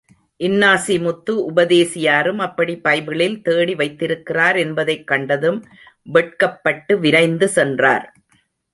இன்னாசிமுத்து உபதேசியாரும் அப்படிப் பைபிளில் தேடி வைத்திருக்கிறார் என்பதைக் கண்டதும், வெட்கப்பட்டு விரைந்து சென்றார்.